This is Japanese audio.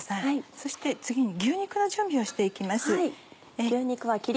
そして次に牛肉の準備をして行きます。